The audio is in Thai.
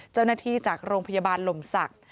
เจ้าหน้าที่จากโรงพยาบาลหลมศักดิ์